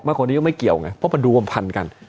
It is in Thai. มันก็ไม่เกี่ยวไงเพราะมันรวมพันธุ์กัน